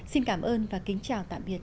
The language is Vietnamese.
xin cảm ơn và kính chào tạm biệt